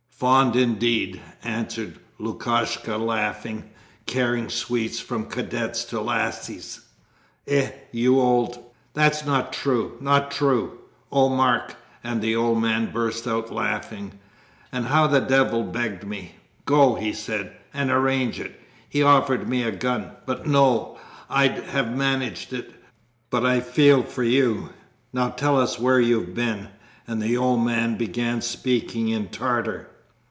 'Fond indeed...' answered Lukashka laughing, 'carrying sweets from cadets to lasses! Eh, you old...' 'That's not true, not true! ... Oh, Mark,' and the old man burst out laughing. 'And how that devil begged me. "Go," he said, "and arrange it." He offered me a gun! But no. I'd have managed it, but I feel for you. Now tell us where have you been?' And the old man began speaking in Tartar.